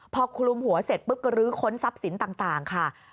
พอคลุมหัวเสร็จปุ๊บก็ลื้อค้นทรัพย์สินต่างค่ะ